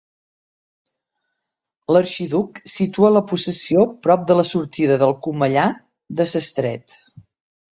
L'Arxiduc situa la possessió prop de la sortida del comellar de s'Estret.